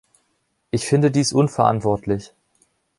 Ich finde dies unverantwortlich.